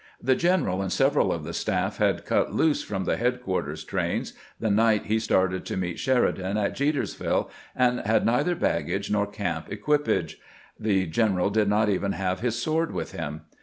The general and several of the staff had cut loose from the headquarters trains the night he started to meet Sheridan at Jetersville, and had neither baggage nor camp equipage. The general did not even have his sword with him.